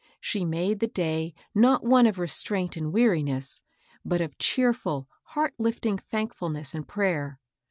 She made the day not one of restraint and weariness, but of cheerful, heart lifting thankfulness and prayer.